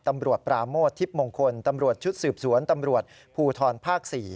ตำรวจปราโมททิพย์มงคลตำรวจชุดสืบสวนตำรวจภูทรภาค๔